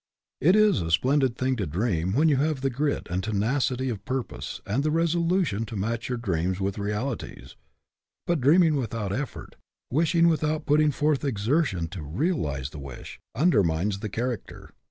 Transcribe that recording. It is a splendid thing to dream when you have the grit and tenacity of purpose and the resolution to match your dreams with realities, but dreaming without effort, wishing without putting forth exertion to realize the wish, undermines the character.